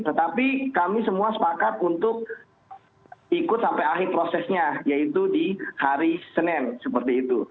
tetapi kami semua sepakat untuk ikut sampai akhir prosesnya yaitu di hari senin seperti itu